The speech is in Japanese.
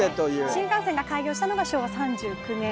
新幹線が開業したのが昭和３９年。